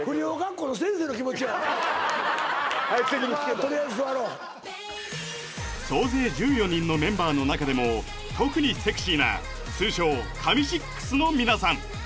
まあとりあえず座ろう総勢１４人のメンバーの中でも特にセクシーな通称神６の皆さん